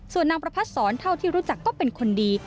ส่วนนางประพัดศรเท่าที่รู้จักก็เป็นคนดี